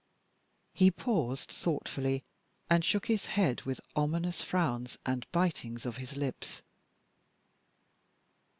He paused thoughtfully, and shook his head with ominous frowns and bitings of his lips.